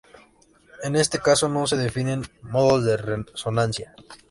En este caso no se definen modos de resonancia.